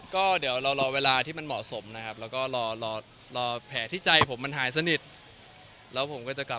ตอนนี้ที่สั้นจะลงรูปผู้เพื่อให้เพื่อนแฟนจะชิมใจไหมครับ